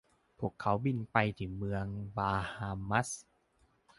พวกเขาบินไปที่เมืองบาฮามัส